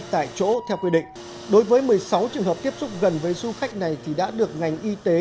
tại chỗ theo quy định đối với một mươi sáu trường hợp tiếp xúc gần với du khách này thì đã được ngành y tế